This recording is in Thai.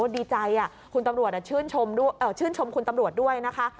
ดีใจคุณตำรวจชื่นชมคุณตำรวจด้วยนะคะ